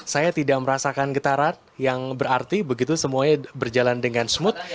saya tidak merasakan getaran yang berarti begitu semuanya berjalan dengan smooth